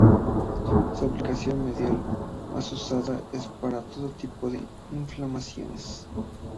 Su aplicación medicinal más usual es para todo tipo de inflamaciones.